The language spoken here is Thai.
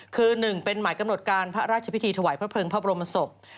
คือ๑เป็นหมายกำหนดการพระราชพิธีถวายพระเภิงพระบรมศพ